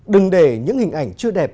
đừng để những hình ảnh chưa đẹp